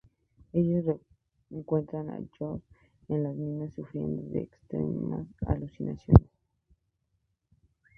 Ellos encuentran a Josh en las minas sufriendo de extremas alucinaciones.